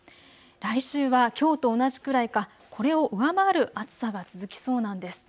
来週はきょうと同じくらいかこれを上回る暑さが続きそうなんです。